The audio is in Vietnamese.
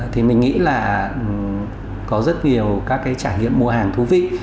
thì mình nghĩ là có rất nhiều các cái trải nghiệm mua hàng thú vị